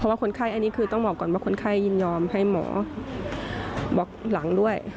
ว่าคนไข้อันนี้คือต้องบอกก่อนว่าคนไข้ยินยอมให้หมอบอกหลังด้วย